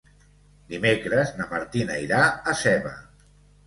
Dimecres na Martina irà a Seva.